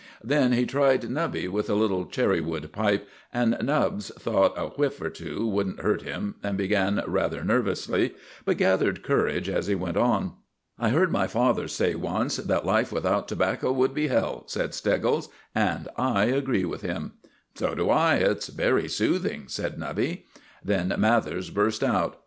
Then he tried Nubby with a little cherry wood pipe, and Nubbs thought a whiff or two wouldn't hurt him and began rather nervously, but gathered courage as he went on. "I heard my father say once that life without tobacco would be hell," said Steggles; "and I agree with him." "So do I; it's very soothing," said Nubby. Then Mathers burst out.